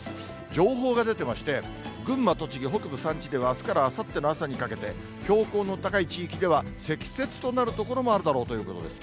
情報が出てまして、群馬、栃木北部山地ではあすからあさっての朝にかけて、標高の高い地域では、積雪となる所もあるだろうということです。